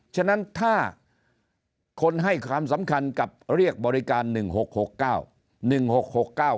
ฉะนั้นถ้าคนให้ความสำคัญกับเรียกบริการหนึ่งหกหกเก้า